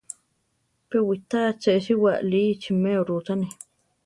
Pe witá achésiwa aʼli ichiméa rúchane.